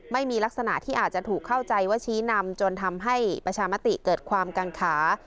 ไม่มีลักษณะที่อาจจะถูกเข้าใจว่าชี้นำจนทำให้ประชามติเกิดความกังขา